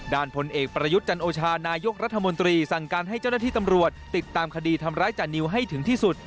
ผลเอกประยุทธ์จันโอชานายกรัฐมนตรีสั่งการให้เจ้าหน้าที่ตำรวจติดตามคดีทำร้ายจานิวให้ถึงที่สุด